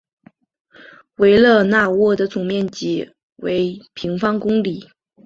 维勒讷沃的总面积为平方公里。